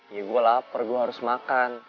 iya gua lapar gua harus makan